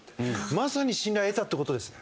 まさに信頼を得たって事ですね。